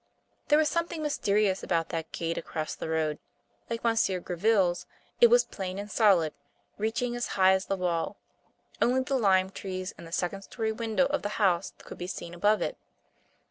There was something mysterious about that gate across the road. Like Monsieur Gréville's, it was plain and solid, reaching as high as the wall. Only the lime trees and the second story windows of the house could be seen above it.